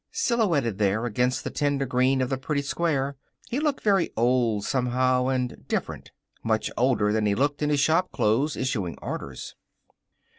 Silhouetted there against the tender green of the pretty square, he looked very old, somehow, and different much older than he looked in his shop clothes, issuing orders.